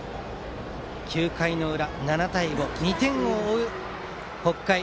９回裏、７対５と２点を追う北海。